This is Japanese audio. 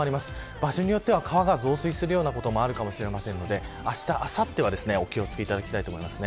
場所によっては川が増水することもあるかもしれないのであした、あさってはお気を付けいただきたいと思います。